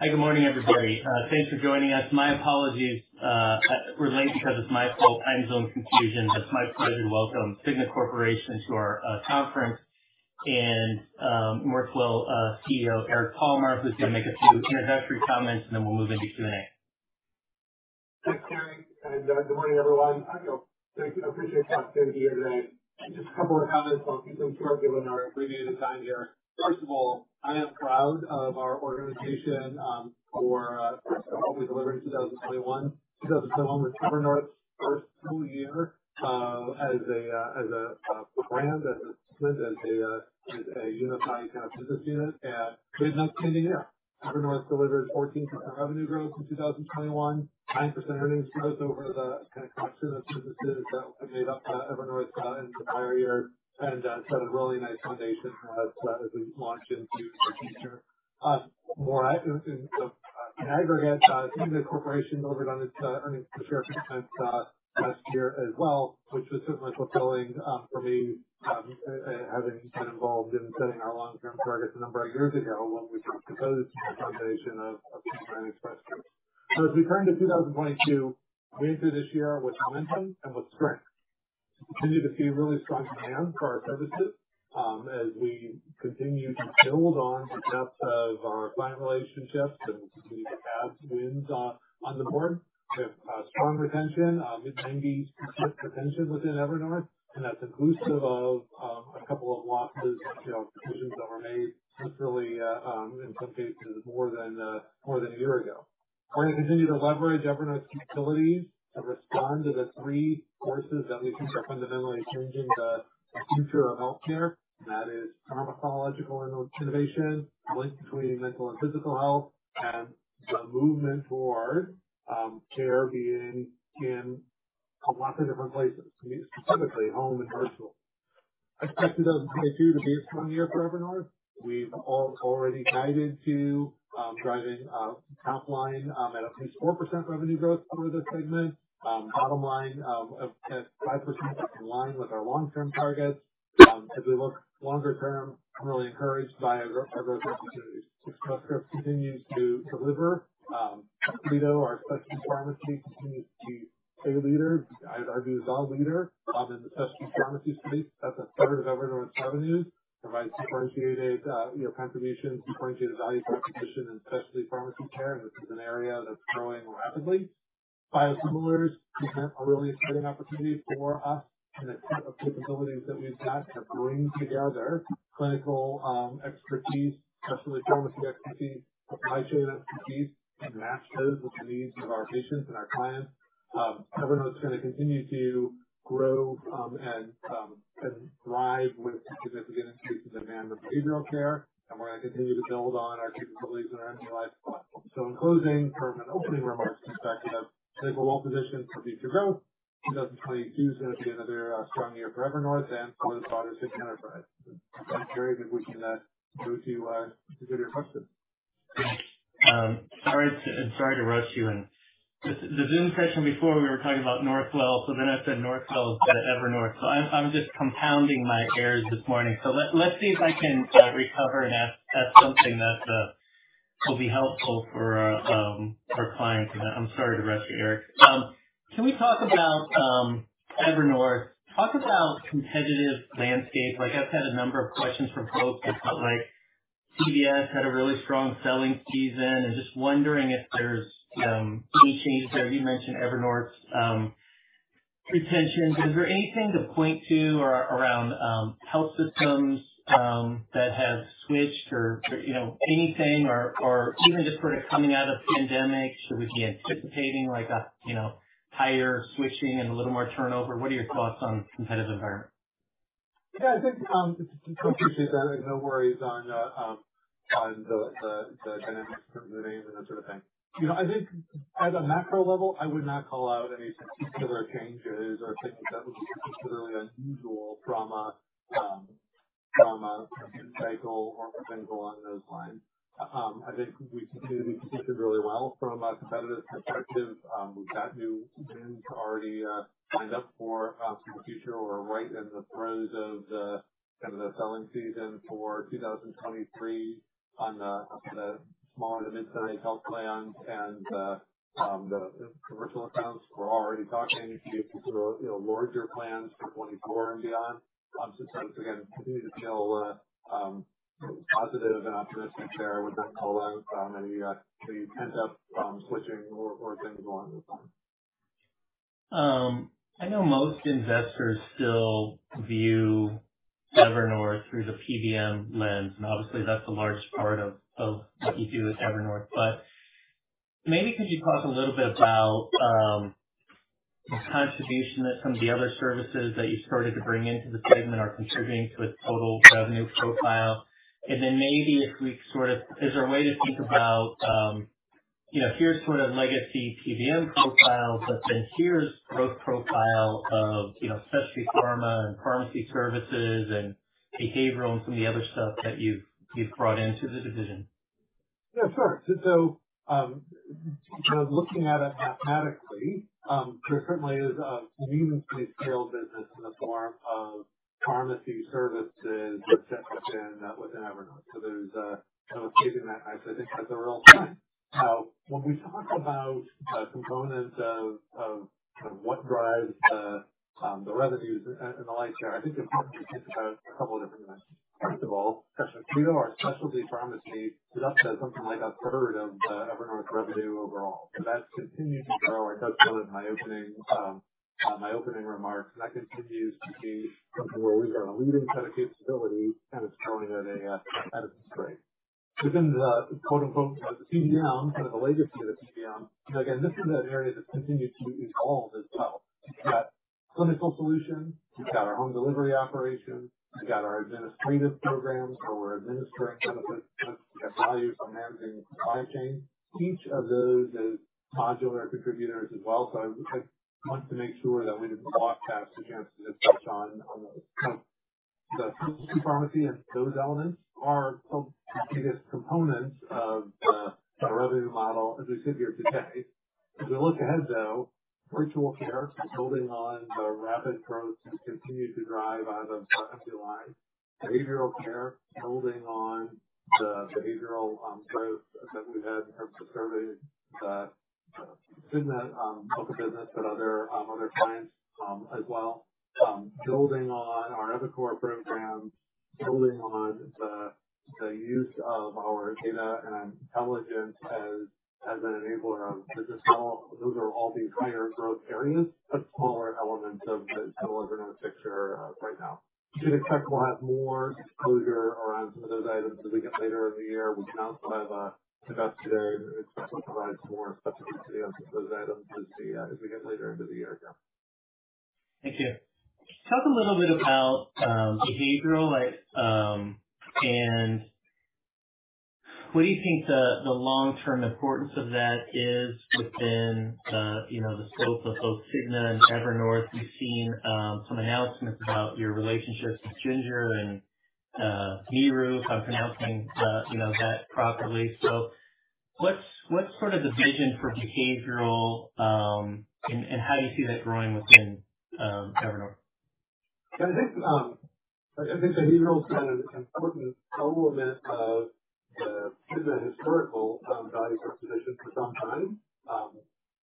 Hi, good morning everybody. Thanks for joining us. My apologies, we're late because it's my fault. Time zone confusion. It's my pleasure to welcome The Cigna Group to our conference and Northwell, CEO, Eric Palmer, who's going to make a few introductory comments, and then we'll move into Q&A. Thanks, Gary. Good morning everyone. Thank you. I appreciate the opportunity to just couple of comments on the Zoom chart given our previous assigned responsible man of cloud of our organization for delivery in 2021. 2021 was Evernorth for two years, as a brand, as a unified kind of business unit. 2019 to here, Evernorth delivers 14% revenue growth in 2021, 9% earnings from this. That's a really nice foundation for what we want to do for the future. More in aggregate, I've seen the corporation delivered on its earnings this year besides last year as well, which was certainly fulfilling for me, having just been involved in setting out a long-term target a number of years ago. To those who returned to 2022, been through this year with momentum and with strength. Continue to see really strong demand for our services, as we continue to build on the depth of our client relationships and continue to build out wins on the board. Strong retention, mid-90% retention within Evernorth, and a conclusion of a couple of losing to decisions that were made centrally in more than a year ago. I want to continue to leverage Evernorth's facilities to respond to the three forces that we think are fundamentally changing the future of healthcare, and that is pharmacological innovation, link between medical and physical health, and the movement toward care being in a lot of different places, specifically home and virtual. I've picked 2022 to be a strong year for Evernorth. We've already guided to driving top line at a patient 4% revenue growth through this segment. Bottom line at 5% in line with our long-term targets. As we look longer-term, I'm really encouraged by the growth of The Cigna Group as it continues to deliver. Cigna or specialty pharmacy continues to be a leader, I'd argue the leader, in the specialty pharmacy space at the third of Evernorth Avenue, provides differentiated contributions, differentiated value proposition in specialty pharmacy care, which is an area that's growing rapidly. Biosimilars, Cigna a really exciting opportunity for us to see the capabilities that we've tapped to bring together clinical expertise, specialty pharmacy expertise, supply chain expertise, and match those with the needs of our patients and our clients. Evernorth is going to continue to grow and thrive with significant demand for behavioral care. I want to continue to build on our capabilities at Evernorth. In closing, from an opening remarks perspective, I think we're well-positioned for future growth. 2022 is going to be another strong year for Evernorth, and I'm always proud of Cigna Enterprise. I'm very good wishing that to Dr. Kautzner. Sorry to rush you in. The Zoom session before we were talking about Northwell, so then I said Northwell instead of Evernorth. I'm just compounding my errors this morning. Let's see if I can recover and add something that will be helpful for our clients. I'm sorry to rush you, Eric. Can we talk about Evernorth? Talk about competitive landscape. I've had a number of questions from folks about like CVS had a really strong selling season. I'm just wondering if there's any change there. You mentioned Evernorth's retention, but is there anything to point to around health systems that have switched or, you know, anything or even just sort of coming out of the pandemic? Should we be anticipating like a, you know, higher switching and a little more turnover? What are your thoughts on the competitive environment? Yeah, I think it's important to say there are no worries on the pandemic and that sort of thing. I think at a macro level, I would not call out any particular changes or things that would be particularly unusual from a cycle or things along those lines. I think we continue to do really well from a competitive perspective. We've got new demand to already sign up for competition or right in the thresholds of the selling season for 2023 on the smaller mid-series health plans and the commercial accounts who are already talking to particularly larger plans for 2024 and beyond. I'm just trying to continue to feel positive and optimistic there. I would not call out on any change of switching or things along. I know most investors still view Evernorth through the PBM lens, and obviously that's a large part of what keeps you with Evernorth. Maybe could you talk a little bit about the contribution that some of the other services that you started to bring into the segment are contributing to its total revenue profile? Is there a way to think about, you know, here's sort of legacy PBM profile, but then here's the growth profile of specialty pharmacy and pharmacy services and behavioral and some of the other stuff that you've brought into the division? Yeah, of course. Kind of looking at it hypothetically, there certainly is a meaningfully scaled business in the form of pharmacy services with sales. We should talk about the components of what drives the revenues and the lifestyle. I think there's a couple of different things. First of all, as a pure specialty pharmacy, that's something like a third of Evernorth's revenue overall. That's continued to grow. That's what I was saying in my opening remarks. That continues to be something where we've got a leading set of capability kind of selling at a decent rate. Within the quote-unquote PBM, kind of the legacy of the PBM, this is an area that continues to evolve as well. You've got clinical solutions, you've got our home delivery operations, you've got our business plan programs where we're administering some of the values for managing the supply chain. Each of those is modular contributors as well. I want to make sure that we walk past here to touch on the pharmacy as those elements are the biggest components of the revenue model as we sit here today. As we look ahead, virtual care is holding on to rapid growth to continue to drive out of FDI. Behavioral health is holding on to the behavioral growth that we've had in terms of surveys. It's in the book of business, other trends as well. Pharmacy is holding on. Our other corporate ground is holding on to the use of our data and intelligence as an enabler. Those are all being higher growth areas as smaller elements of the delivery of the picture right now. We should expect a lot more closure around some of those items as we get later in the year. We can also have a discussion today as it provides for. Talk a little bit about behavioral and what do you think the long-term importance of that is within the scope of both Cigna and Evernorth? You've seen some announcements about your relationships with Ginger and [VLI] I'm pronouncing that properly. What's sort of the vision for behavioral and how do you see that growing within Evernorth? Yeah, I think behavioral is going to be an important element of the historical value subscription to some kind.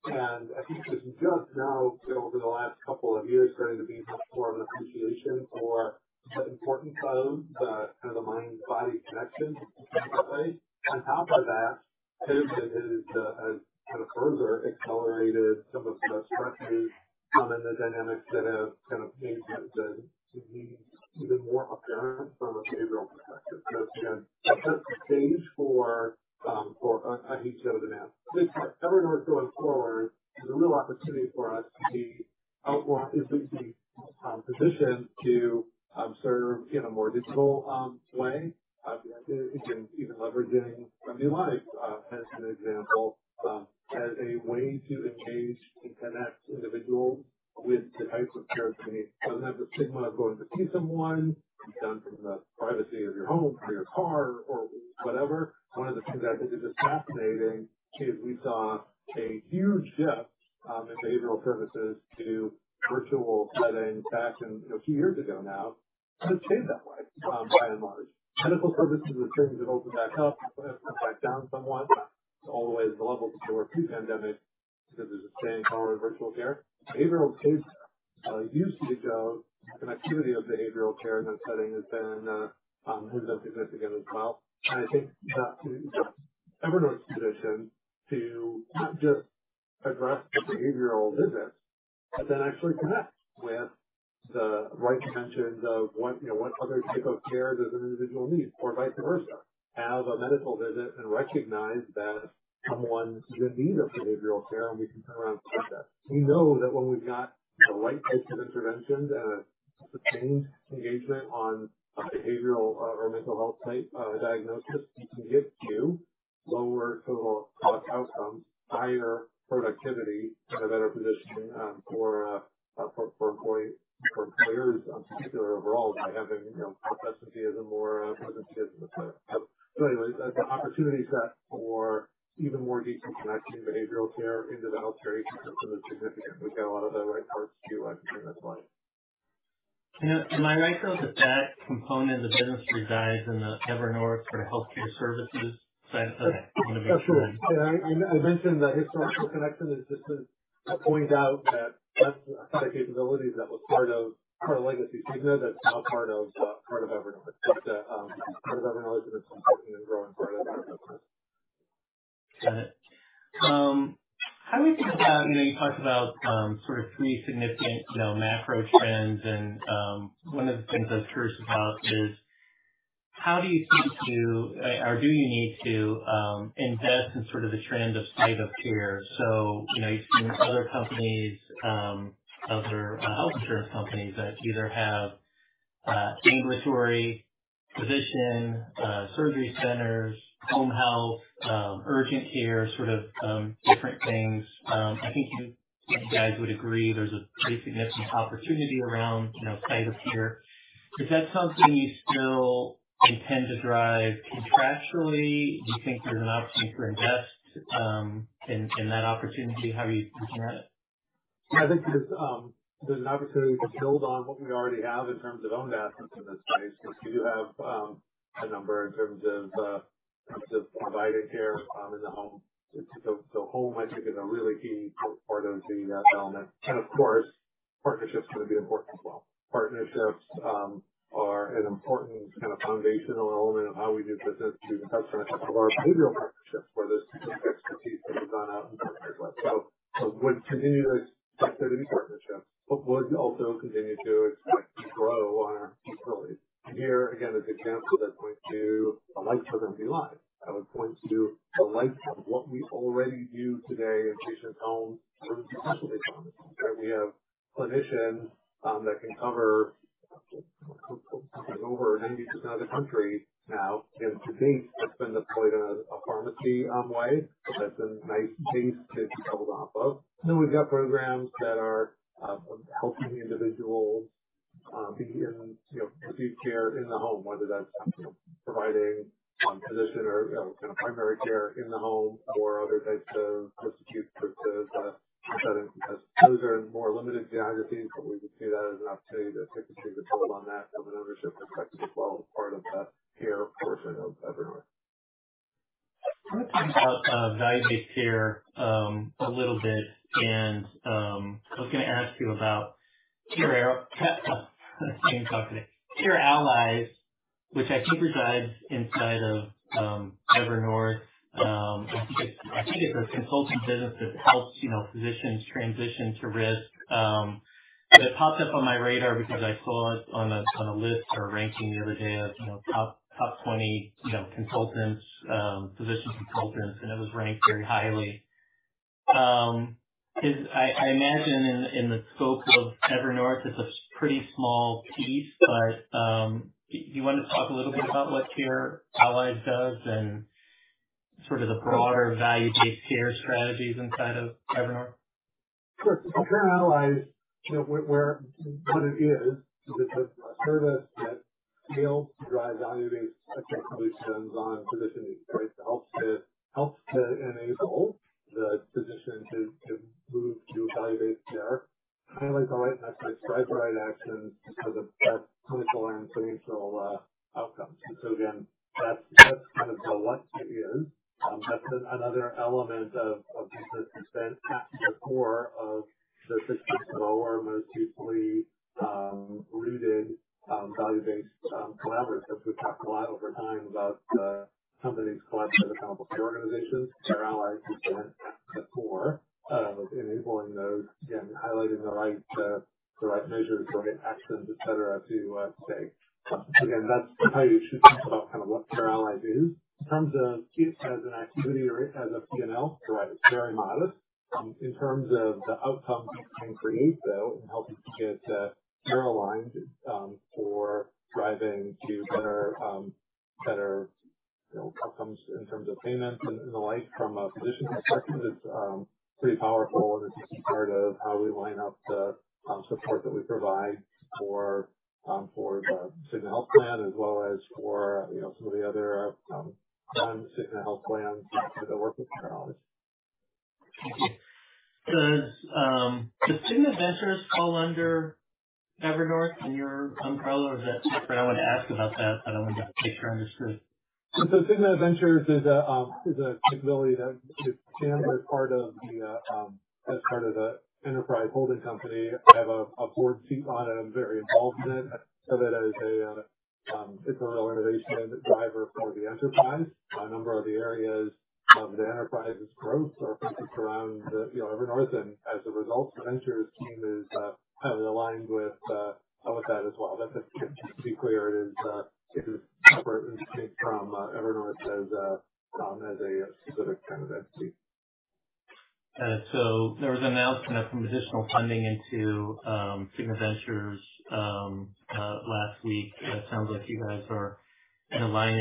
I think if you just now, over the last couple of years, going to be more of a situation for the important time that kind of the mind-body connection is taking place. On top of that, pivoting as a closer accelerated some of the stresses and the dynamics that have kind of made the team even more upfront from a behavioral perspective. Evernorth going forward is a real opportunity for us to be in a position to observe in a more digital way. I think it's even leveraging VLI as an example as a way to engage and connect individuals with to add subscriptions. Sometimes Cigna is going to teach someone you've done some of the privacy in your home, in your car, or whatever. One of the things I think is just fascinating is we saw a huge shift in behavioral services to virtual meta and fashion a few years ago now. It's changed that way by and large. Clinical services were changing to open that up. I've gone somewhat all the way to the level of the sort of pre-pandemic because of the change in virtual care. Behavioral changed that. I used to go to the connectivity of behavioral care in this setting has been one of the things I think of as well. I think that Evernorth's mission to not just address the behavioral visit, but then actually connect with the right dimensions of what other typical care does an individual need or vice versa. Have a medical visit and recognize that someone's in need of behavioral care and we can come out and help them. We know that when we've got the right types of interventions and the same engagement on a behavioral or mental health type of a diagnosis, we can give to you lower total cost of higher productivity and a better position for employees of Cigna overall. We have an expertise and more business cases. Anyway, the opportunity is set for even more deeply connecting behavioral care into the healthcare ecosystem is significant and has been one of the right parts too, I think, in this way. Am I right though that that component of the business resides in Evernorth for the healthcare services side of it? Yeah, sure. I'll mention the historical connection just to point out that some of the capabilities that were part of legacy Cigna. Got it. How do you think about, you know, you talked about sort of three significant now macro trends, and one of the things I was curious about is how do you seem to do, or do you need to invest in sort of the trend of site of care? You know, you've seen other companies, other healthcare companies that either have ambulatory physician, surgery centers, home health, urgent care, sort of different things. I think you guys would agree there's a pretty significant opportunity around, you know, site of care. Is that something you still intend to drive contractually? Do you think there's an opportunity to invest in that opportunity? How do you think about it? Yeah, I think there's an opportunity to build on what we already have in terms of owned assets in this space, which do have a number in terms of the provided care around in the home. It's a whole much bigger than we would be according to that element. Of course, partnerships are going to be important as well. Partnerships are an important kind of foundational element of how we do business. We'll continue to invest in resources, but we'll also continue to grow our capabilities. Here again, a good example that points to the life of every life. I would point to the life of what we already do today in patient homes is fantastic. We have clinicians that can cover over 90% of the country now and to date, let's spend the point on a pharmacy life. That's a nice chance to sell off of. We've got programs that are helping the individual be in, you know, acute care in the home, whether that's providing clinician or primary care in the home or other types of just acute services that entities have. Those are more limited geographies, but we would see that as an opportunity to typically build on that as an ownership perspective as well. I think I'm going to value this here a little bit, and I was going to ask you about your, I can't even talk today, your Ally, which I think resides inside of Evernorth. I think it's a consulting business that helps physicians transition to risk. It popped up on my radar because I saw it on a list or a ranking you were doing, top 20 consultants, physician consultants, and it was ranked very highly. I imagine in the scope of Evernorth, it's a pretty small piece, but do you want to talk a little bit about what your Ally does and sort of the broader value-based care strategies inside of Evernorth? Sure. For sure, Ally's kind of went where it is, so that's a service that aims to drive value-based contributions on physician needs, right? That helps to enable the physician to move to value-based care. We're going, that's a staggering action to sort of transform the financial element of this business to set more of the efficiency of our most deeply rooted value-based collaboratives, that collateral for clients, but companies collecting accountable to organizations, their Ally's concerns at the core of enabling those, again, Ally's in their lives to provide measures, right? Etc, to stay. That's to tell you some of what your Ally is. In terms of its as an activity or its as a P&L, it's very modest. In terms of the outcomes it can create though and helping to get more aligned for driving to better outcomes in terms of payment and the life from a physician perspective, it's pretty powerful and it's just a part of how we line up the subscription work that we provide for The Cigna Group Health Plan as well as for, you know, some of the other non-Cigna Health Plans. Does Cigna Ventures fall under Evernorth in your umbrella, or is that something I want to ask about? I don't want to take your own distraction. Cigna Ventures is a capability that is generally part of the Enterprise Holding Company. I have a board seat on it. I'm very involved in it. I think of it as an internal innovation driver for the Enterprise. A number of the areas is probably aligned with, I would say, as well, but just to be clear, it is. Got it. There was an announcement from additional funding into Cigna Ventures last week. That sounds like you guys are in a line.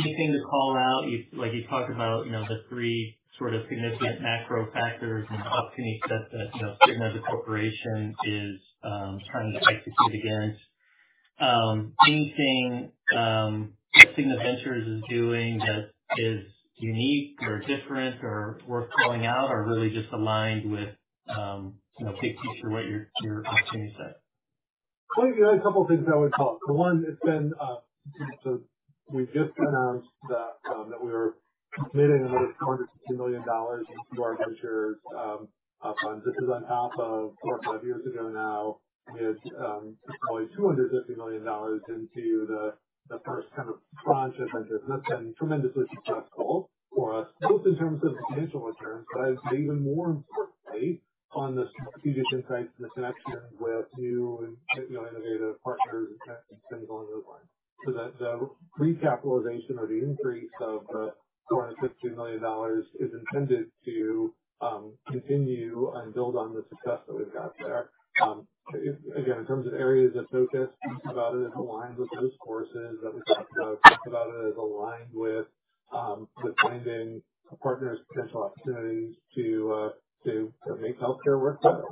Anything to call out? Like you talked about, you know, the three sort of significant macro factors and opportunities that Cigna as a corporation is trying to seek to guarantee. Anything Cigna Ventures is doing that is unique or different or worth calling out or really just aligned with, you know, take keys for what your opportunities are? One of the other couple of things I would talk. One, it's been, since we just announced that we were getting another $250 million in large matures fund. This is on top of four or five years ago now, we had to deploy $250 million into the first kind of launch of interest. That's been tremendously successful for us, both in terms of the financial returns, but I would say even more based on the conditions I've seen this past year with new and innovative partners and things along those lines. The recapitalization or the increase of the $250 million is intended to continue and build on the success that we've got there. Again, in terms of areas of focus, I'm about it is aligned with those courses that we talked about. I talked about it as aligned with defining a partner's potential opportunities to create healthcare workflow.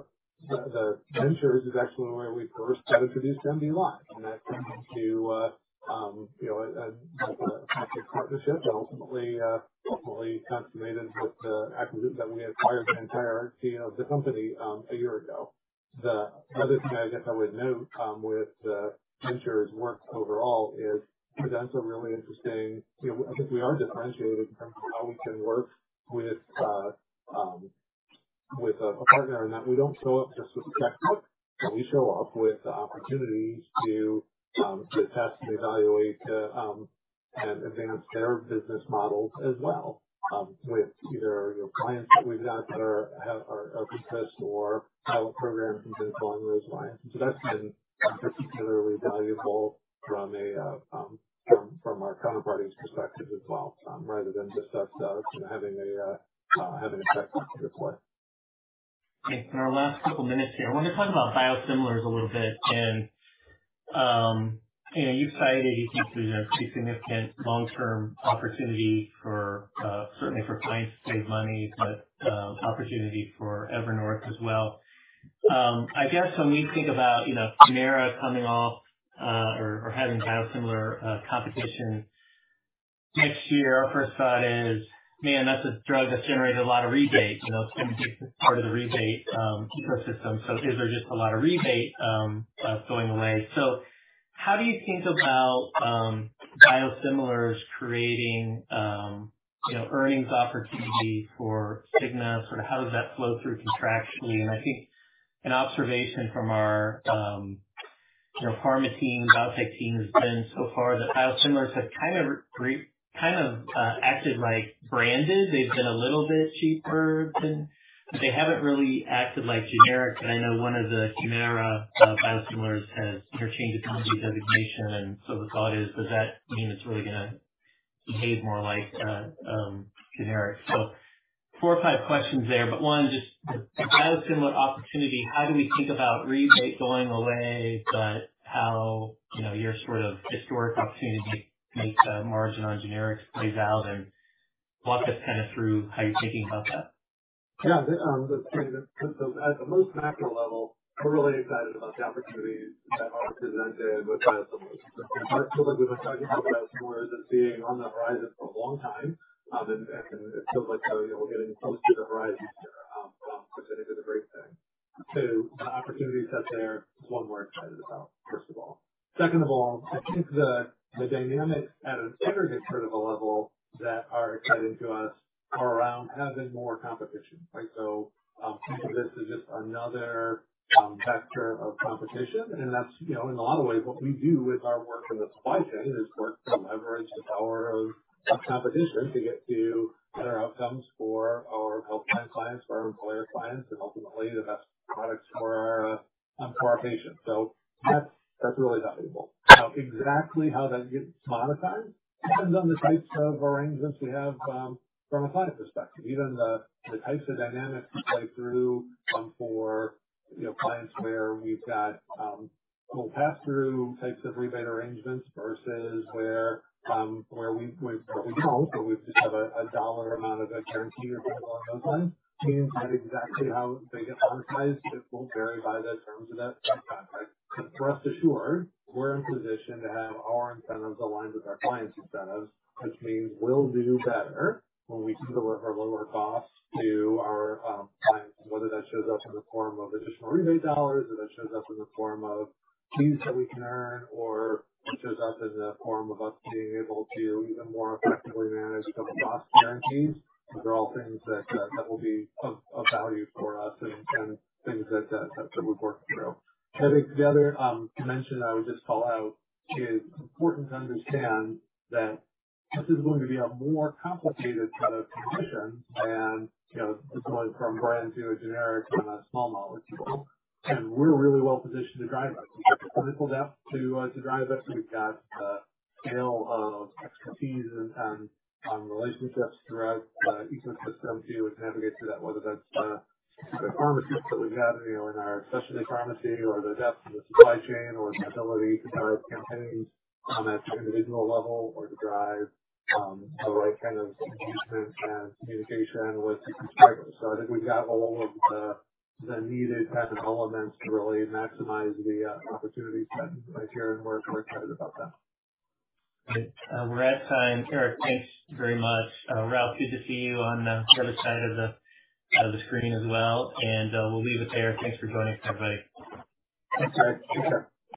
The Ventures is actually where we first started to do SAMD Live and that turned into a connected partnership that ultimately comes to an end with the acquisition that we acquired the entirety of the company a few years ago. The other thing I definitely note with the Ventures work overall is for them to really interesting to, I think we are differentiated in terms of how we can work with a partner or not. We don't show up just with a checkbook. We show up with opportunities to test and evaluate to and advance their business models as well. With either your clients that we've got that are our business or development programs that we've been following in relation to grant and investment, particularly values all throughout. It's been a heavy set to deploy. Okay, for our last couple of minutes here, I want to talk about biosimilars a little bit. You've cited these as significant long-term opportunities for clients to save money, but opportunities for Evernorth as well. I guess when we think about Humira coming off or having biosimilar competition next year, our first thought is, man, that's a drug that's generated a lot of rebate. It's going to be part of the rebate ecosystem. Is there just a lot of rebate going away? How do you think about biosimilars creating earnings opportunities for The Cigna Group? How does that flow through contractually? An observation from our pharma team, biotech team has been so far that biosimilars have kind of acted like branded. They've been a little bit cheaper. They haven't really acted like generic. I know one of the Humira biosimilars has interchange company designation. The thought is, does that mean it's really going to behave more like generics? There are four or five questions there. One, just the biosimilar opportunity. How do we think about rebates going away? How does your historic opportunity to make the margin on generics play out? Walk us through how you're thinking about that. Yeah, I think at the most practical level, we're really excited about the opportunity that's presented with biosimilars. It's not like we've decided to put biosimilars and seeing it on the horizon for a long time. I've been investing in it. It's not like we're getting a delicate variety of things. The opportunities that's there, we're more excited about, first of all. Second of all, I think the dynamics at an everyday sort of a level that are exciting to us are around having more competition, right? I think this is just another texture of competition. In the long run, what we do with our work in the supply chain is work from leverage the power of competition to get you better outcomes for our health plan clients, for our employer clients, and ultimately that's for our patients. That's really valuable. Now, exactly how that gets monetized depends on the types of arrangements we have from a client perspective. Even the types of dynamics that I drew for clients where we've got full pass-through types of rebate arrangements versus where we're a little bit more, but we just have a dollar amount of a guarantee we're dealing with on those lines. Can't get exactly how the funds might be supported by this or that. For us to assure we're in a position to have our incentives aligned with our client's incentives, we will do better when we can deliver lower costs to our clients. Whether that shows up in the form of additional rebate dollars, whether that shows up in the form of gains that we can earn, or it shows up in the form of us being able to even more effectively manage the cost guarantees. Those are all things that will be of value for us and things that we're working on. The other dimension I would just call out is it's important to understand that the physical media is more complicated to have a solution than going from brand to a generic to a mass pharma. We're really well-positioned to drive this. The clinical depth to drive this is that skill of expertise and relationships throughout ecosystems in order to have an incident. Whether that's the pharmacists that we've got in our specialty pharmacy or the depth of the supply chain or the ability to drive campaigns at an individual level or to drive the right kind of communication with the subscribers. I think we've got all of the needed kinds of elements to really maximize the opportunities that you're more directly excited about that. We're out of time, Eric thanks very much. Ralph, good to see you on the other side of the screen as well. We'll leave it there. Thanks for joining us today, Mike. Thanks. Thank you.